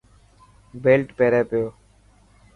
بيلٽ پيري پيو.